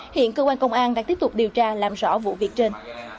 hiện cơ quan công an đang tiếp tục điều tra làm rõ vụ việc trên